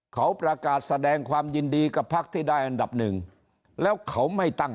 เขาประกาศแสดงความยินดีกับพักที่ได้อันดับหนึ่งแล้วเขาไม่ตั้ง